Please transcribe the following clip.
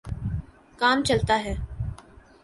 کام چلتا ہے۔